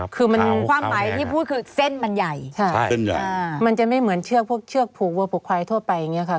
คือมันความหมายที่พูดคือเส้นมันใหญ่ใช่เส้นใหญ่มันจะไม่เหมือนเชือกพวกเชือกผูกวัวผูกควายทั่วไปอย่างนี้ค่ะ